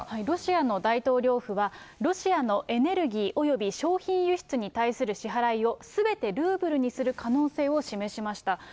ロシアの大統領府は、ロシアのエネルギーおよび商品輸出に対する支払いをすべてルーブルにする可能性を示しました。